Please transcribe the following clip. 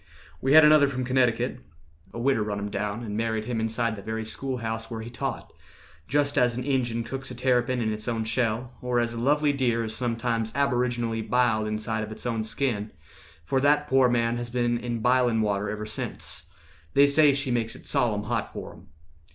"We had another from Connecticut: A widder run him down, and married him Inside the very school house where he taught, Just as an Injun cooks a terrapin In its own shell, or as a lovely deer Is sometimes aboriginally biled Inside of its own skin, for that poor man Has been in bilin' water ever sense: They say she makes it solemn hot for him.